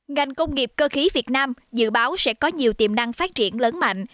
ngành công nghiệp cơ khí việt nam dự báo sẽ có nhiều tiềm năng phát triển lớn mạnh